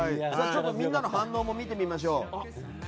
みんなの反応も見てみましょう。